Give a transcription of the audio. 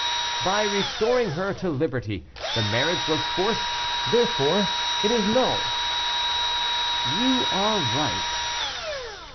"By restoring her to liberty. The marriage was forced, therefore it is null." "You are right."